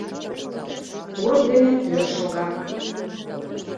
Курык дене тӧр шога.